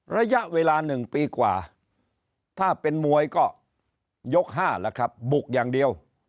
ระยะเวลา๑ปีกว่าถ้าเป็นมวยก็ยก๕แล้วครับบุกอย่างเดียว